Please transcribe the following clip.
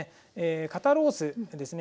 肩ロースでですね